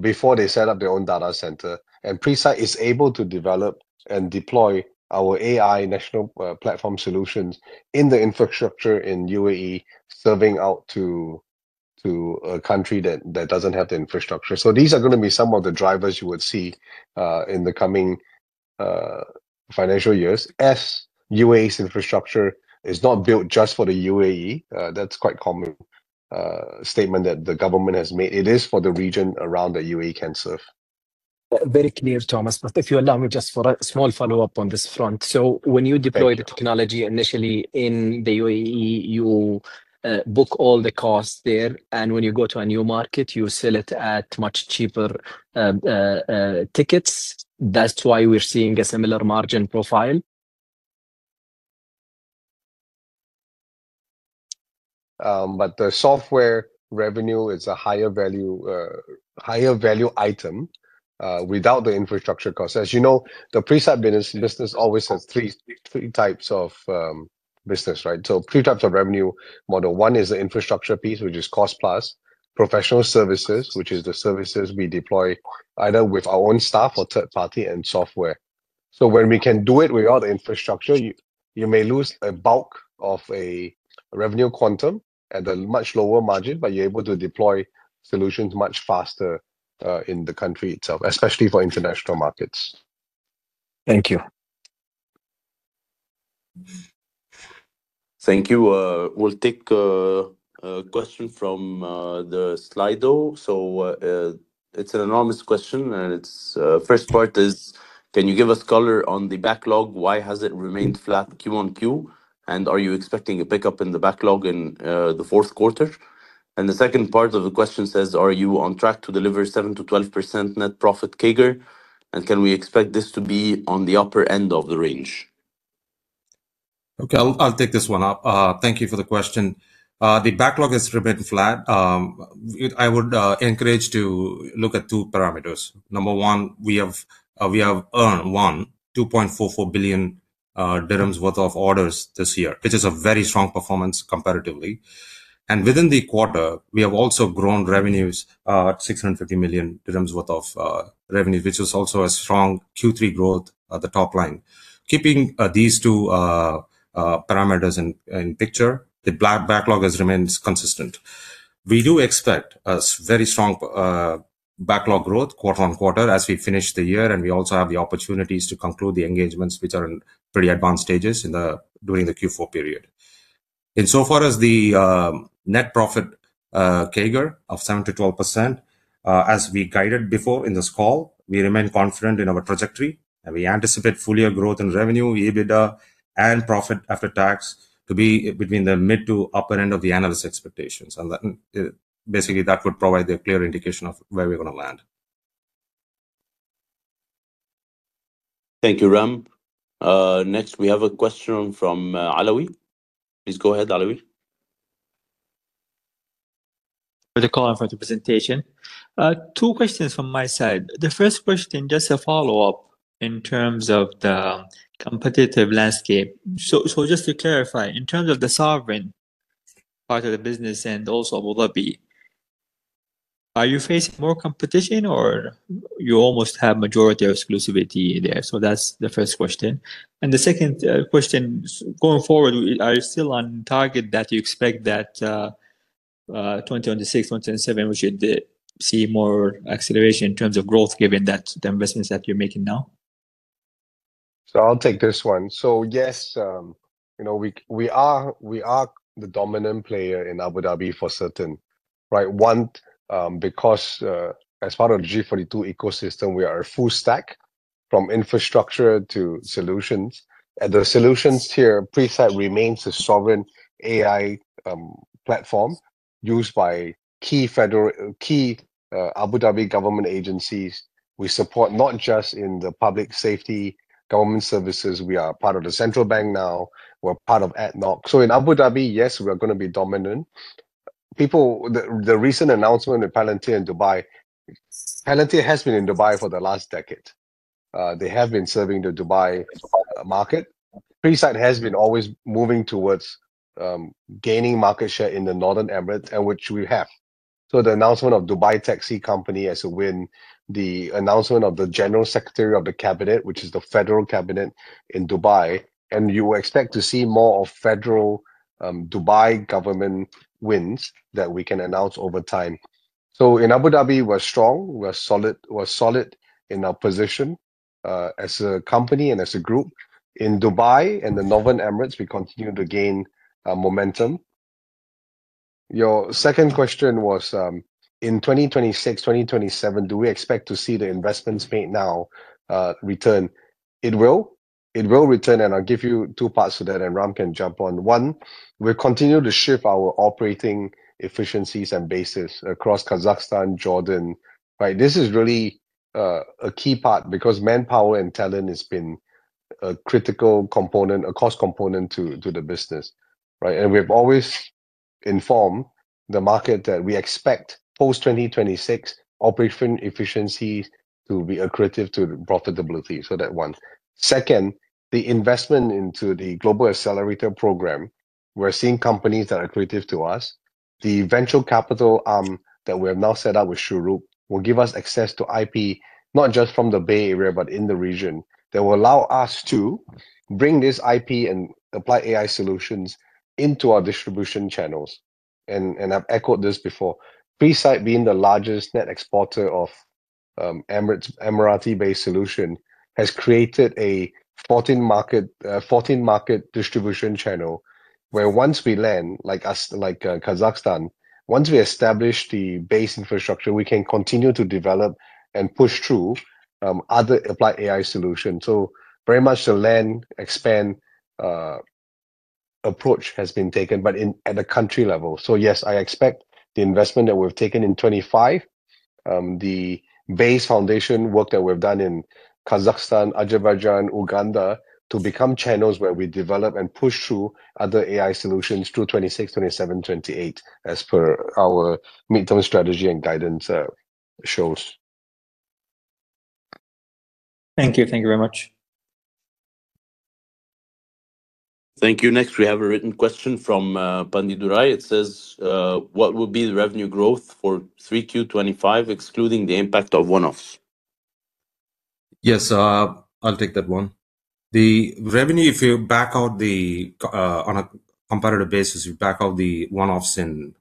before they set up their own data center. Presight is able to develop and deploy our AI national platform solutions in the infrastructure in U.A.E., serving out to a country that doesn't have the infrastructure. These are going to be some of the drivers you would see in the coming financial years. As U.A.E.'s infrastructure is not built just for the U.A.E., that's quite a common statement that the government has made. It is for the region around the U.A.E. can serve. Very clear, Thomas. If you allow me just for a small follow-up on this front. When you deploy the technology initially in the U.A.E., you book all the costs there. When you go to a new market, you sell it at much cheaper tickets. That's why we're seeing a similar margin profile. The software revenue is a higher value item without the infrastructure cost. As you know, the Presight business always has three types of business, right? Three types of revenue model. One is the infrastructure piece, which is cost-plus, professional services, which is the services we deploy either with our own staff or third-party, and software. When we can do it without the infrastructure, you may lose a bulk of a revenue quantum at a much lower margin, but you're able to deploy solutions much faster in the country itself, especially for international markets. Thank you. Thank you. We'll take a question from the Slido. It's an anonymous question. Its first part is, can you give us color on the backlog? Why has it remained flat QoQ? Are you expecting a pickup in the backlog in the fourth quarter? The second part of the question says, are you on track to deliver 7-12% net profit CAGR? Can we expect this to be on the upper end of the range? I'll take this one up. Thank you for the question. The backlog has remained flat. I would encourage to look at two parameters. Number one, we have earned 2.44 billion dirhams worth of orders this year, which is a very strong performance comparatively. Within the quarter, we have also grown revenues at 650 million dirhams worth of revenue, which is also a strong Q3 growth at the top line. Keeping these two parameters in picture, the backlog has remained consistent. We do expect a very strong backlog growth quarter-on-quarter as we finish the year. We also have the opportunities to conclude the engagements, which are in pretty advanced stages during the Q4 period. In so far as the net profit CAGR of 7-12%, as we guided before in this call, we remain confident in our trajectory. We anticipate full year growth in revenue, EBITDA, and profit after tax to be between the mid to upper end of the analyst expectations. That would provide a clear indication of where we're going to land. Thank you, Ram. Next, we have a question from Alawi. Please go ahead, Alawi. For the call and for the presentation. Two questions from my side. The first question, just a follow-up in terms of the competitive landscape. Just to clarify, in terms of the sovereign part of the business and also Abu Dhabi, are you facing more competition or you almost have majority exclusivity there? That's the first question. The second question, going forward, are you still on target that you expect that 2026, 2027, which you see more acceleration in terms of growth given the investments that you're making now? I'll take this one. Yes, we are the dominant player in Abu Dhabi for certain, right? One, because as part of the G42 ecosystem, we are a full stack from infrastructure to solutions. The solutions here, Presight remains a sovereign AI platform used by key Abu Dhabi government agencies. We support not just in the public safety government services. We are part of the central bank now. We're part of ADNOC. In Abu Dhabi, yes, we are going to be dominant. The recent announcement with Palantir in Dubai, Palantir has been in Dubai for the last decade. They have been serving the Dubai market. Presight has been always moving towards gaining market share in the Northern Emirates, which we have. The announcement of Dubai Taxi Company as a win, the announcement of the General Secretary of the Cabinet, which is the federal cabinet in Dubai, and you will expect to see more of federal Dubai government wins that we can announce over time. In Abu Dhabi, we're strong. We're solid in our position as a company and as a group. In Dubai and the Northern Emirates, we continue to gain momentum. Your second question was, in 2026, 2027, do we expect to see the investments made now return? It will. It will return. I'll give you two parts to that, and Ram can jump on. One, we'll continue to shift our operating efficiencies and bases across Kazakhstan, Jordan. This is really a key part because manpower and talent has been a critical component, a core component to the business. We have always informed the market that we expect post-2026 operation efficiencies to be accretive to profitability. That one. Second, the investment into the Global Accelerator Program, we are seeing companies that are accretive to us. The venture capital arm that we have now set up with Shuruk will give us access to IP, not just from the Bay Area, but in the region. They will allow us to bring this IP and apply AI solutions into our distribution channels. I have echoed this before. Presight, being the largest net exporter of Emirati-based solution, has created a 14-market distribution channel where once we land, like Kazakhstan, once we establish the base infrastructure, we can continue to develop and push through other applied AI solutions. Very much the land expand approach has been taken, but at a country level. Yes, I expect the investment that we've taken in 2025, the base foundation work that we've done in Kazakhstan, Azerbaijan, Uganda to become channels where we develop and push through other AI solutions through 2026, 2027, 2028, as per our midterm strategy and guidance shows. Thank you. Thank you very much. Thank you. Next, we have a written question from Pandit Durai. It says, what will be the revenue growth for 3Q 2025, excluding the impact of one-offs? Yes, I'll take that one. The revenue, if you back out the on a comparative basis, you back out the one-offs in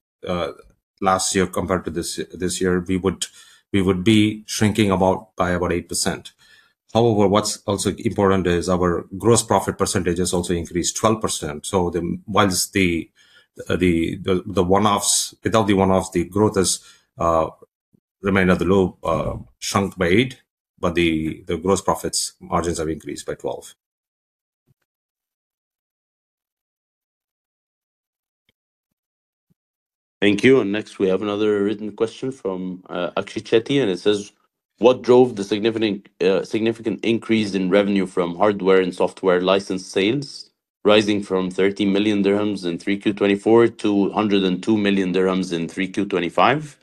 last year compared to this year, we would be shrinking by about 8%. However, what's also important is our gross profit percentage has also increased 12%. While the one-offs, without the one-offs, the growth has remained at the low, shrunk by 8, but the gross profit margins have increased by 12%. Thank you. Next, we have another written question from Akshishetty. It says, what drove the significant increase in revenue from hardware and software license sales rising from 30 million dirhams in 3Q 2024 to 102 million dirhams in 3Q 2025?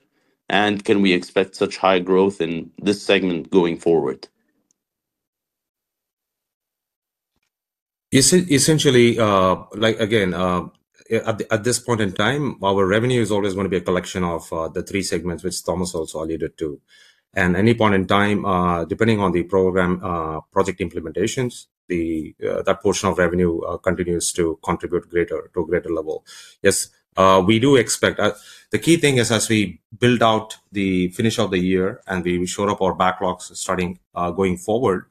Can we expect such high growth in this segment going forward? Essentially, again, at this point in time, our revenue is always going to be a collection of the three segments, which Thomas also alluded to. At any point in time, depending on the program project implementations, that portion of revenue continues to contribute to a greater level. Yes, we do expect. The key thing is, as we build out the finish of the year and we shore up our backlogs going forward,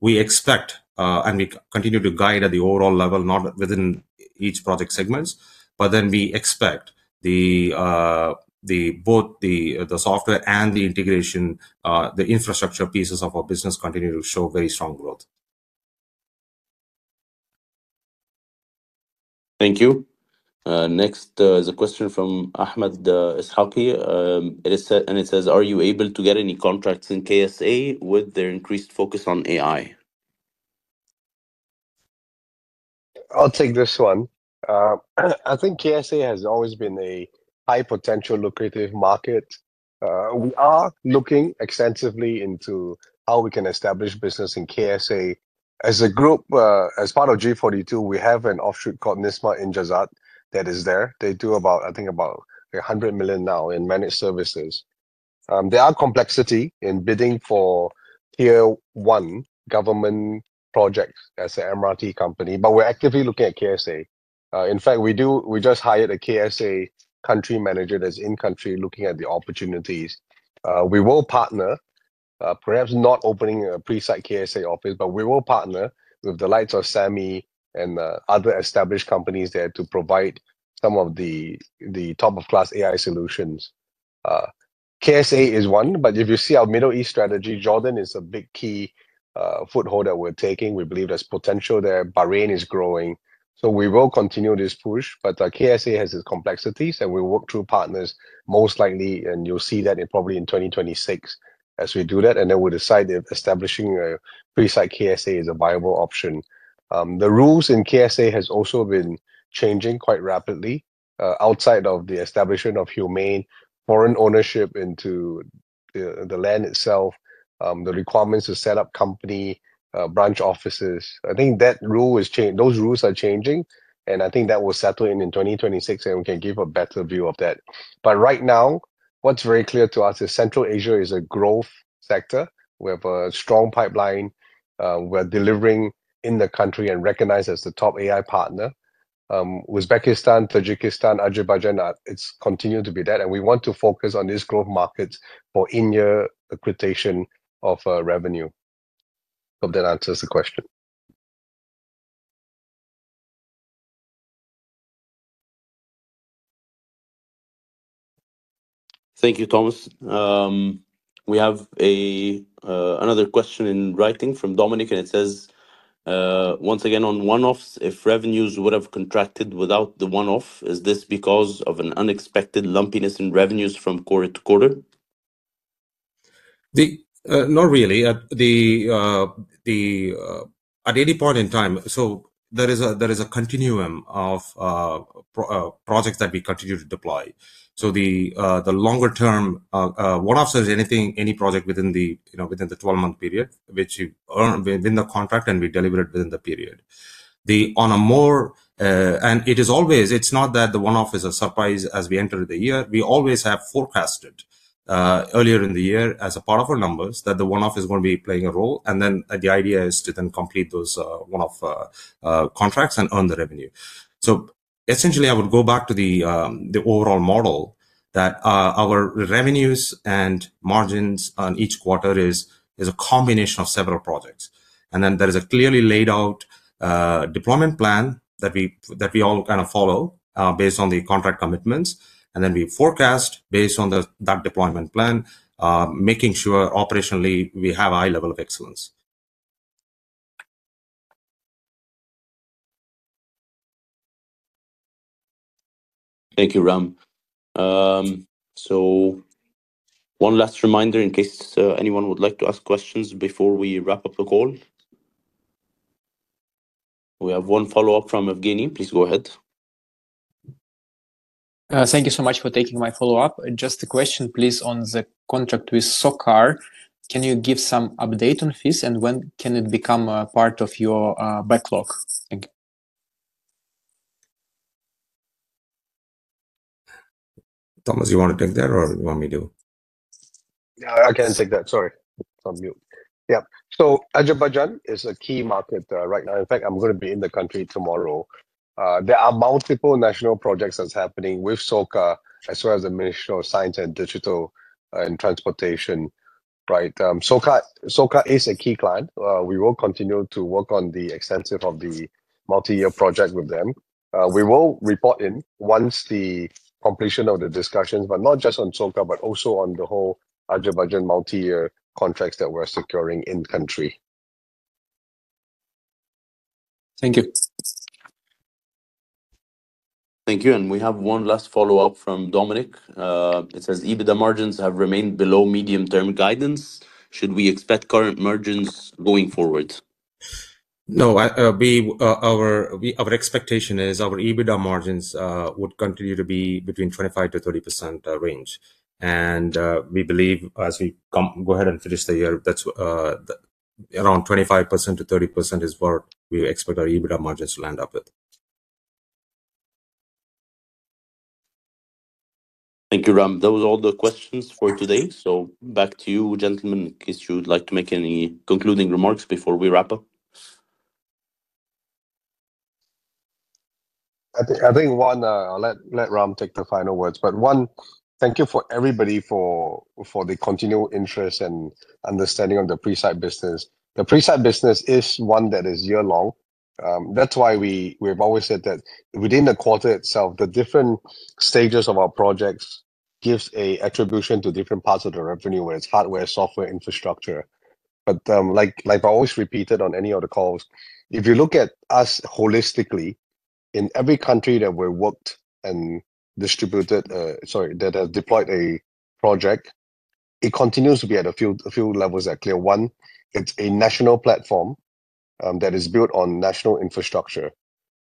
we expect, and we continue to guide at the overall level, not within each project segment, but then we expect both the software and the integration, the infrastructure pieces of our business continue to show very strong growth. Thank you. Next is a question from Ahmed Ishaqi. And it says, are you able to get any contracts in KSA with their increased focus on AI? I'll take this one. I think KSA has always been a high potential lucrative market. We are looking extensively into how we can establish business in KSA. As a group, as part of G42, we have an offshoot called Nisma in Jazat that is there. They do about, I think, about $100 million now in managed services. There are complexities in bidding for tier one government projects as an MRT company, but we're actively looking at KSA. In fact, we just hired a KSA country manager that's in-country looking at the opportunities. We will partner, perhaps not opening a Presight KSA office, but we will partner with the likes of SAMI and other established companies there to provide some of the top-of-class AI solutions. KSA is one, but if you see our Middle East strategy, Jordan is a big key foothold that we're taking. We believe there's potential there. Bahrain is growing. We will continue this push, but KSA has its complexities, and we'll work through partners most likely, and you'll see that probably in 2026 as we do that. Then we'll decide if establishing a Presight KSA is a viable option. The rules in KSA have also been changing quite rapidly outside of the establishment of Humane, foreign ownership into the land itself, the requirements to set up company, branch offices. I think that rule is changing. Those rules are changing, and I think that will settle in in 2026, and we can give a better view of that. Right now, what's very clear to us is Central Asia is a growth sector. We have a strong pipeline. We're delivering in the country and recognized as the top AI partner. Uzbekistan, Tajikistan, Azerbaijan, it's continued to be that. We want to focus on these growth markets for in-year equitation of revenue. Hope that answers the question. Thank you, Thomas. We have another question in writing from Dominic, and it says, once again, on one-offs, if revenues would have contracted without the one-off, is this because of an unexpected lumpiness in revenues from quarter to quarter? Not really. At any point in time, there is a continuum of projects that we continue to deploy. The longer-term one-offs are any project within the 12-month period, which we earn within the contract, and we deliver it within the period. It is always, it's not that the one-off is a surprise as we enter the year. We always have forecasted earlier in the year as a part of our numbers that the one-off is going to be playing a role. The idea is to then complete those one-off contracts and earn the revenue. Essentially, I would go back to the overall model that our revenues and margins on each quarter is a combination of several projects. There is a clearly laid-out deployment plan that we all kind of follow based on the contract commitments. We forecast based on that deployment plan, making sure operationally we have a high level of excellence. Thank you, Ram. One last reminder in case anyone would like to ask questions before we wrap up the call. We have one follow-up from Evgeny. Please go ahead. Thank you so much for taking my follow-up. Just a question, please, on the contract with SOCAR. Can you give some update on fees, and when can it become a part of your backlog? Thank you. Thomas, you want to take that, or do you want me to? No, I can't take that. Sorry. I'm on mute. Yeah. Azerbaijan is a key market right now. In fact, I'm going to be in the country tomorrow. There are multiple national projects that are happening with SOCAR as well as the Ministry of Science and Digital and Transportation. SOCAR is a key client. We will continue to work on the extension of the multi-year project with them. We will report in once the completion of the discussions, not just on SOCAR, but also on the whole Azerbaijan multi-year contracts that we're securing in-country. Thank you. Thank you. We have one last follow-up from Dominic. It says, EBITDA margins have remained below medium-term guidance. Should we expect current margins going forward? No, our expectation is our EBITDA margins would continue to be between 25%-30% range. We believe as we go ahead and finish the year, that's around 25%-30% is what we expect our EBITDA margins to land up with. Thank you, Ram. Those are all the questions for today. Back to you, gentlemen, in case you'd like to make any concluding remarks before we wrap up. I think one, I'll let Ram take the final words. One, thank you for everybody for the continual interest and understanding of the Presight business. The Presight business is one that is year-long. That's why we've always said that within the quarter itself, the different stages of our projects give an attribution to different parts of the revenue, whether it's hardware, software, infrastructure. Like I always repeated on any of the calls, if you look at us holistically, in every country that we've worked and distributed, sorry, that has deployed a project, it continues to be at a few levels that clear. One, it's a national platform that is built on national infrastructure.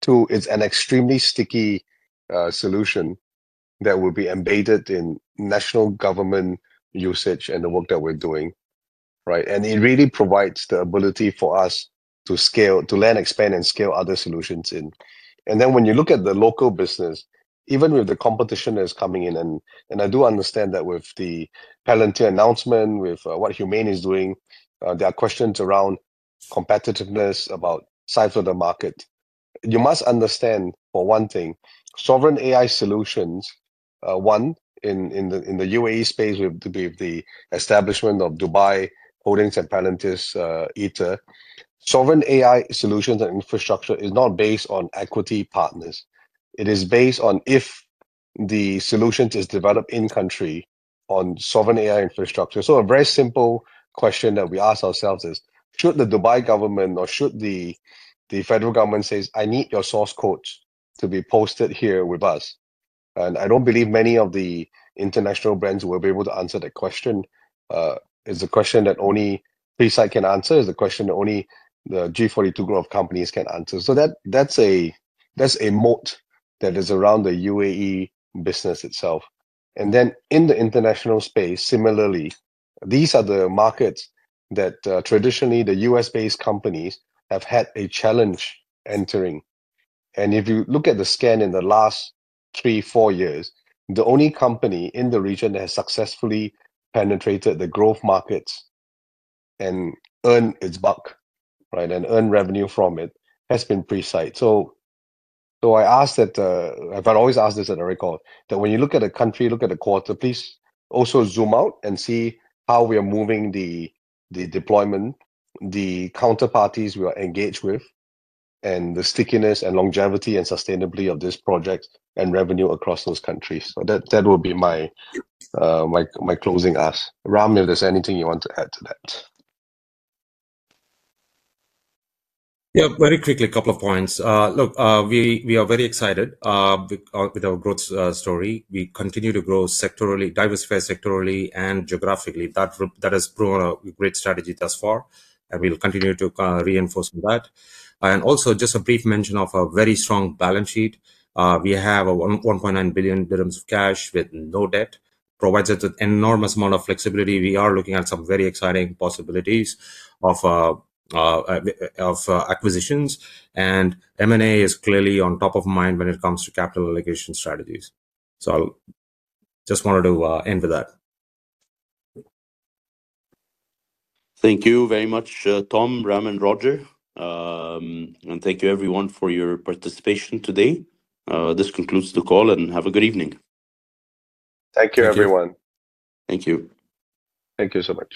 Two, it's an extremely sticky solution that will be embedded in national government usage and the work that we're doing. It really provides the ability for us to scale, to learn, expand, and scale other solutions in. When you look at the local business, even with the competition that is coming in, and I do understand that with the Palantir announcement, with what Humane is doing, there are questions around competitiveness, about size of the market. You must understand, for one thing, sovereign AI solutions, one, in the U.A.E. space with the establishment of Dubai Holding and Palantir's ITER, sovereign AI solutions and infrastructure is not based on equity partners. It is based on if the solution is developed in-country on sovereign AI infrastructure. A very simple question that we ask ourselves is, should the Dubai government or should the federal government say, "I need your source codes to be posted here with us"? I don't believe many of the international brands will be able to answer that question. It's a question that only Presight can answer. It's a question that only the G42 growth companies can answer. That is a moat that is around the U.A.E. business itself. In the international space, similarly, these are the markets that traditionally the US-based companies have had a challenge entering. If you look at the scan in the last three, four years, the only company in the region that has successfully penetrated the growth markets and earned its buck and earned revenue from it has been Presight. I ask that, I've always asked this at the record, that when you look at a country, look at a quarter, please also zoom out and see how we are moving the deployment, the counterparties we are engaged with, and the stickiness and longevity and sustainability of this project and revenue across those countries. That will be my closing ask. Ram, if there's anything you want to add to that. Yeah, very quickly, a couple of points. Look, we are very excited with our growth story. We continue to grow sectorally, diversify sectorally and geographically. That has proven a great strategy thus far, and we'll continue to reinforce that. Also, just a brief mention of our very strong balance sheet. We have 1.9 billion dirhams of cash with no debt, provides us with an enormous amount of flexibility. We are looking at some very exciting possibilities of acquisitions, and M&A is clearly on top of mind when it comes to capital allocation strategies. I just wanted to end with that. Thank you very much, Tom, Ram, and Roger. And thank you, everyone, for your participation today. This concludes the call, and have a good evening. Thank you, everyone. Thank you. Thank you so much.